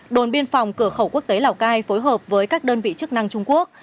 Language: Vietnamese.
đồn biên phòng cửa khẩu quốc tế lào cai phối hợp với các đơn vị chức năng trung quốc